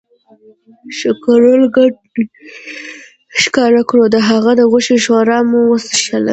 ښکرور ګډ ئې ښکار کړو، د هغه د غوښې ښوروا مو وڅښله